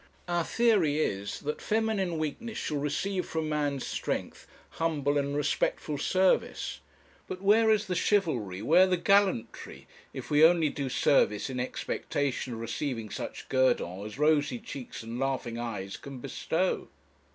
Our theory is, that feminine weakness shall receive from man's strength humble and respectful service. But where is the chivalry, where the gallantry, if we only do service in expectation of receiving such guerdon as rosy cheeks and laughing eyes can bestow?